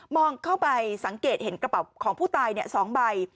เข้าไปสังเกตเห็นกระเป๋าของผู้ตาย๒ใบ